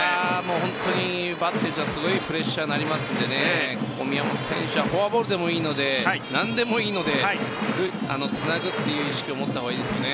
本当にバッテリーはすごいプレッシャーになりますので宮本選手をフォアボールでもいいので何でもいいのでつなぐという意識を持ったほうがいいですよね。